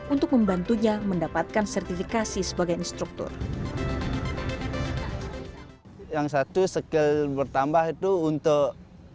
untuk membantunya mendapatkan sertifikasi sebagai instruktur yang satu skill bertambah itu untuk